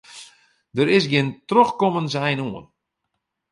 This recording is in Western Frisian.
Der is gjin trochkommensein oan.